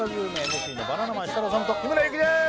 ＭＣのバナナマン設楽統と日村勇紀です！